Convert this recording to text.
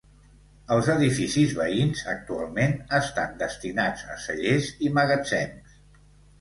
Els edificis veïns, actualment, estan destinats a cellers i magatzems.